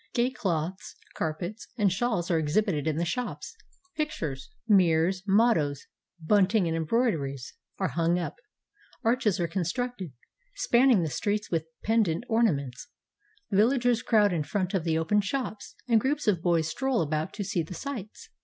Gay cloths, carpets, and shawls are exhibited in the shops. Pictures, mirrors, mottoes, bunting, and embroideries are hung up. Arches are constructed, spanning the streets with pendent ornaments. Villagers crowd in front of the open shops, and groups of boys stroll about to see the sights.